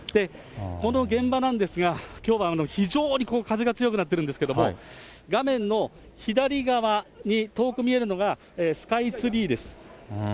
この現場なんですが、きょうは非常に風が強くなっているんですけれども、画面の左側に遠く見えるのが、スカイツリーです。